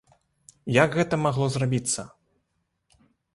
Як гэта магло зрабіцца?